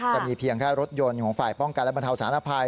จะมีเพียงแค่รถยนต์ของฝ่ายป้องกันและบรรเทาสารภัย